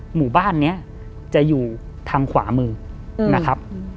หมู่บ้านนี้จะอยู่ทางขวามือนะครับ